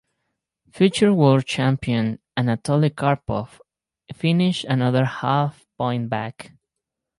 Future world champion Anatoly Karpov finished another half point back.